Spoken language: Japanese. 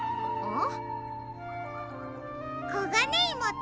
ん。